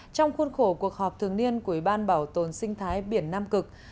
trong khuôn khổ cuộc họp thường niên của ủy ban bảo tồn sinh thái biển nam cực